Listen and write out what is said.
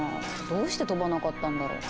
どうして飛ばなかったんだろう。